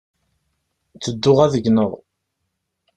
Tedduɣ ad gneɣ.